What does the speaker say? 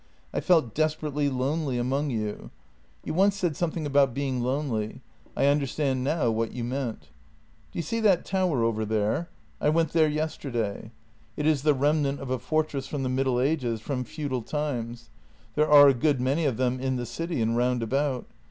I felt desperately lonely among you. You once said something about being lonely; I understand now what you meant. " Do you see that tower over there? I went there yesterday. It is the remnant of a fortress from the Middle Ages, from feudal times. There are a good many of them in the city and round about.